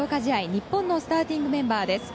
日本のスターティングメンバーです。